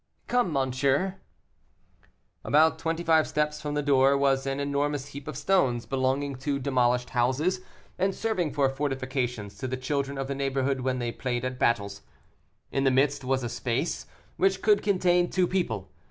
"Come, monsieur." About twenty five steps from the door was an enormous heap of stones belonging to demolished houses, and serving for fortifications to the children of the neighborhood when they played at battles. In the midst was a space, which could contain two people.